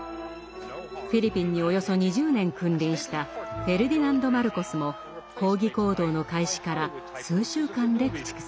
フィリピンにおよそ２０年君臨したフェルディナンド・マルコスも抗議行動の開始から数週間で駆逐されています。